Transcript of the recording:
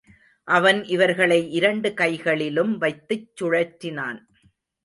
அவன் இவர்களை இரண்டு கைகளி லும்வைத்துச் சுழற்றினான்.